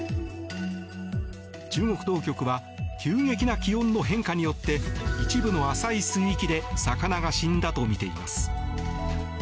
中国当局は急激な気温の変化によって一部の浅い水域で魚が死んだとみています。